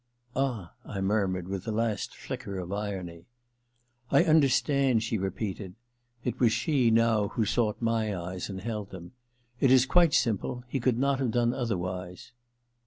* Ah,' I murmured with a last flicker of irony. ^ I understand,' she repeated. It was she, now, who sought my eyes and held them. * It is quite simple — he could not have done other wise.